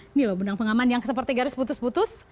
ini loh benang pengaman yang seperti garis putus putus